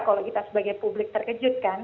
kalau kita sebagai publik terkejutkan